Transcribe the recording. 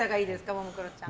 ももクロちゃん。